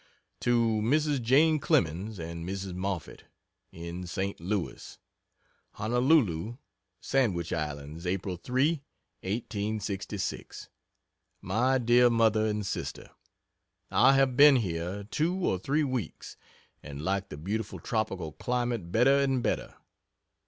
To Mrs. Jane Clemens and Mrs. Moffett, in St. Louis: HONOLULU, SANDWICH ISLANDS, April 3, 1866. MY DEAR MOTHER AND SISTER, I have been here two or three weeks, and like the beautiful tropical climate better and better.